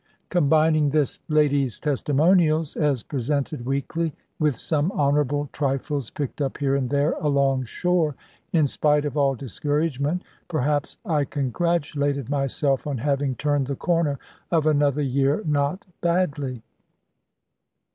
Combining this lady's testimonials, as presented weekly, with some honourable trifles picked up here and there along shore, in spite of all discouragement, perhaps I congratulated myself on having turned the corner of another year not badly.